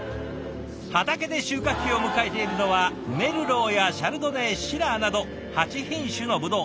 畑で収穫期を迎えているのはメルローやシャルドネシラーなど８品種のブドウ。